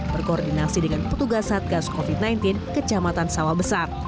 berkoordinasi dengan petugas satgas covid sembilan belas kecamatan sawah besar